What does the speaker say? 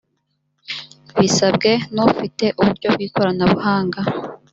bisabwe n’ufite uburyo bw’ikoranabuhanga